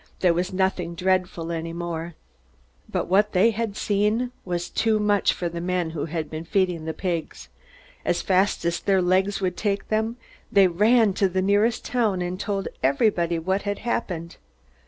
There was nothing dreadful any more. But what they had seen was too much for the men who had been feeding the pigs. As fast as their legs would take them they ran to the nearest town and told everybody what had happened.